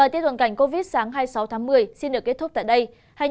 theo dõi kênh thông tin chính thức về dịch bệnh của báo sức khỏe và đời sống